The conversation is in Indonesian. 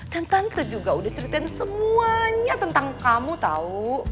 dan tante juga udah ceritain semuanya tentang kamu tau